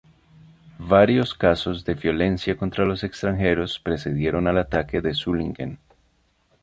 Varios casos de violencia contra los extranjeros precedieron al ataque de Solingen.